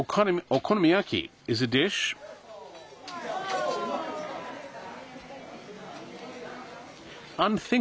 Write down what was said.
お好み焼きには。